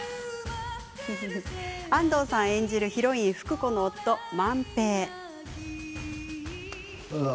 安藤さん演じるヒロイン福子の夫萬平。